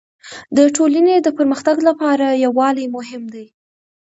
د ټولني د پرمختګ لپاره يووالی مهم دی.